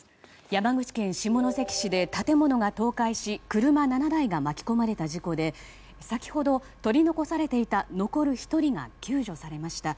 山口県下関市で建物が倒壊し車７台が巻き込まれた事故で先ほど、取り残されていた残る１人が救助されました。